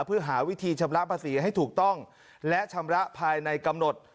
เพื่อหาวิธีชำระภาษีให้ถูกต้องและชำระภายในกำหนด